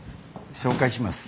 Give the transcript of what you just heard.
紹介します。